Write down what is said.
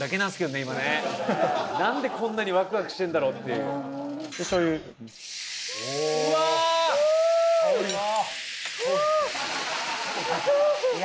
今ね何でこんなにワクワクしてるんだろうっていうおうわいや